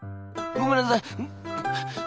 ごめんなさい。